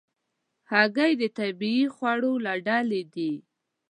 هګۍ د طبیعي خوړو له ډلې ده.